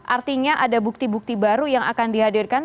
artinya ada bukti bukti baru yang akan dihadirkan